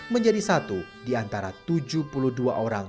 menjadi satu di antara tujuh puluh dua orang